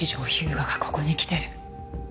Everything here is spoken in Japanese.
牙がここに来てる。